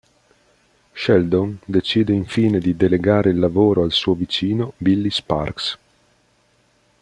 Sheldon decide infine di delegare il lavoro al suo vicino Billy Sparks.